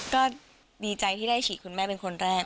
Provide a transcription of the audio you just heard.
ก็ดีใจที่ได้ฉีดคุณแม่เป็นคนแรก